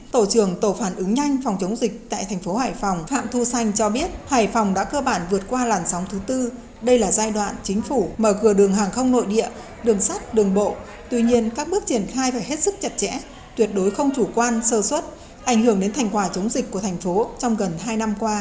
tổ trưởng tổ phản ứng nhanh phòng chống dịch tại thành phố hải phòng phạm thu xanh cho biết hải phòng đã cơ bản vượt qua làn sóng thứ tư đây là giai đoạn chính phủ mở cửa đường hàng không nội địa đường sắt đường bộ tuy nhiên các bước triển khai phải hết sức chặt chẽ tuyệt đối không chủ quan sơ xuất ảnh hưởng đến thành quả chống dịch của thành phố trong gần hai năm qua